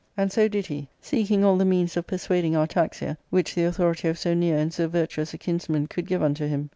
And so did he, seeking all the means of persuad ing Artaxia which the authority of so near and so virtuous a kinsman could give unto him.